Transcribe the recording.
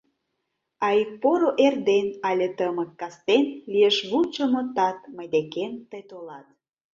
А ик поро эрден Але тымык кастен Лиеш вучымо тат: Мый декем тый толат.